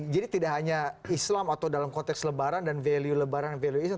jadi tidak hanya islam atau dalam konteks lebaran dan value lebaran dan value islam